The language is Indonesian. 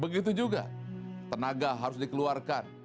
begitu juga tenaga harus dikeluarkan